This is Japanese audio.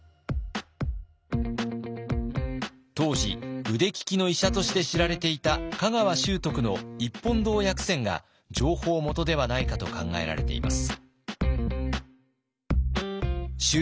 当時腕利きの医者として知られていた香川修徳の「一本堂薬選」が情報元ではないかと考えられています。